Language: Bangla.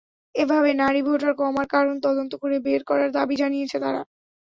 এভাবে নারী ভোটার কমার কারণ তদন্ত করে বের করার দাবি জানিয়েছে তারা।